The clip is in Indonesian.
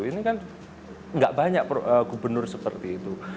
ini kan nggak banyak gubernur seperti itu